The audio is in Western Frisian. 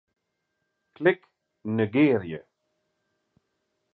Klik Negearje.